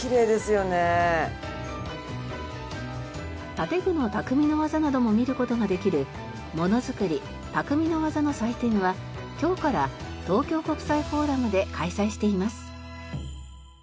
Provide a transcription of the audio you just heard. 建具の匠の技なども見る事ができるものづくり・匠の技の祭典は今日から東京国際フォーラムで開催しています。